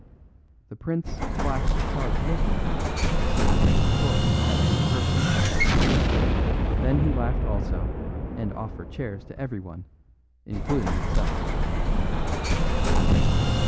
The prince flashed a sharp look at him to see if the retort had any personal point; then he laughed also and offered chairs to everyone, including himself.